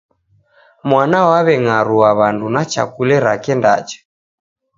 Mwana w'aw'eng'arua wandu na chakule rake ndacha